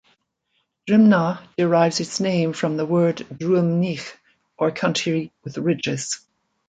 Drimnagh derives its name from the word "druimneach", or country with ridges.